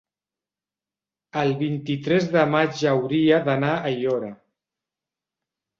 El vint-i-tres de maig hauria d'anar a Aiora.